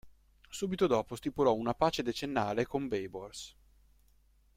Subito dopo stipulò una pace decennale con Baybars.